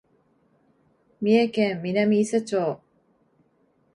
三重県南伊勢町